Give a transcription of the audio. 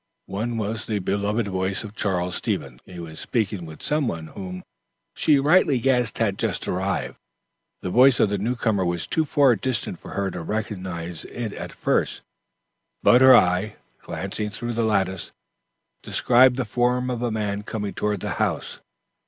One was the well beloved voice of Charles Stevens. He was speaking with some one, whom she rightly guessed had just arrived. The voice of the new comer was too far distant for her to recognize it at first: but her eye, glancing through the lattice, descried the form of a man coming toward the house.